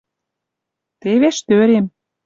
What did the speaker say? Тевеш — тӧрем.